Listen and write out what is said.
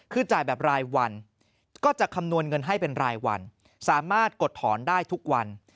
คือจ่ายแบบรายวันก็จะคำนวณเงินให้เป็นรายวันสามารถกดถอนได้ทุกวัน